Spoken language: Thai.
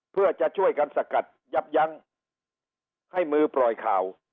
เพื่อจะช่วยกันสกัดยับยั้งให้มือปล่อยข่าว